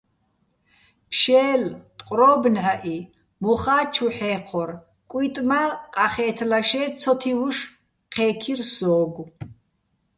ფშე́ლ, ტყვრო́ბ ნჵაჸი, მოხა́ ჩუ ჰ̦ე́ჴორ, კუჲტი̆ მა́ ყახე́თლაშე́ ცოთივუშ ჴე́ქირ სოგო̆.